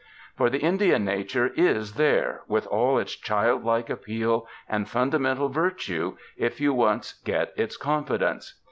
For the Indian nature is there, with all its childlike appeal and fundamental virtue, if you once get its confidence.